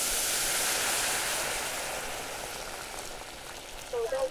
布鲁克特雷尔斯是位于美国加利福尼亚州门多西诺县的一个人口普查指定地区。